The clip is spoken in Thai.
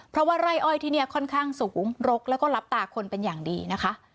เพราะว่าไร่อ้อยที่นี่ค่อนข้างสูงรกแล้วก็รับตาคนเป็นอย่างดีนะคะ